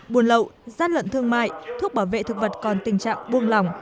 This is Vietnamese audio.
buồn lậu gian lận thương mại thuốc bảo vệ thực vật còn tình trạng buông lỏng